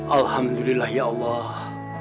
alhamdulillah ya allah